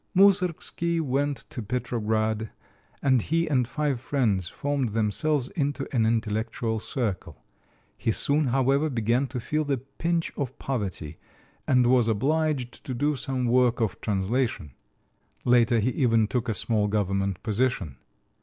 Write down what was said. Moussorgsky went to Petrograd, and he and five friends formed themselves into an intellectual circle. He soon, however, began to feel the pinch of poverty and was obliged to do some work of translation. Later he even took a small government position.